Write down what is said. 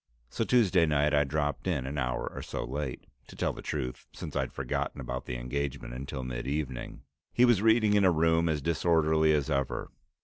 So on Tuesday night I dropped in an hour or so late, to tell the truth, since I'd forgotten about the engagement until mid evening. He was reading in a room as disorderly as ever.